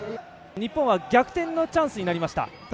日本は逆転のチャンスになりました。